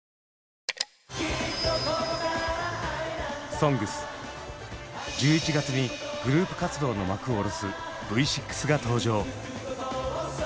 「ＳＯＮＧＳ」１１月にグループ活動の幕を下ろすＶ６が登場。